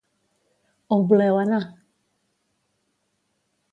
On voleu anar?